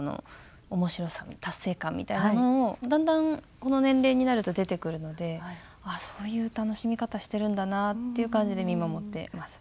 面白さ達成感みたいなものをだんだんこの年齢になると出てくるので「あっそういう楽しみ方してるんだな」っていう感じで見守ってます。